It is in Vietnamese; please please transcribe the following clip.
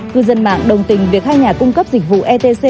cư dân mạng đồng tình việc hai nhà cung cấp dịch vụ etc